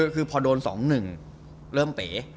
คือพอโดน๒๑เริ่มเป๋